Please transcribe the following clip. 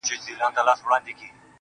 سپوږمۍ کي هم سته توسيرې، راته راوبهيدې~